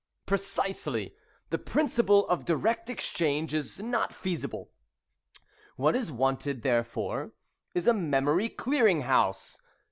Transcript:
'" "Precisely; the principle of direct exchange is not feasible. What is wanted, therefore, is a Memory Clearing House.